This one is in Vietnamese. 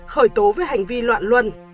khởi tố với hành vi loạn luân